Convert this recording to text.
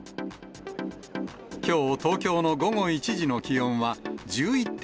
きょう、東京の午後１時の気温は１１．７度。